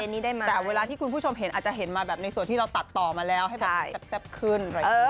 แต่เวลาที่คุณผู้ชมเห็นอาจจะเห็นมาแบบในส่วนที่เราตัดต่อมาแล้วให้แบบแซ่บขึ้น